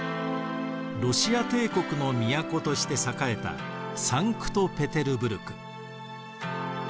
ロシア帝国の都として栄えたサンクトペテルブルク。